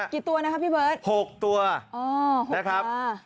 กี่ตัวนะครับพี่เบิร์ต๖ตัวนะครับ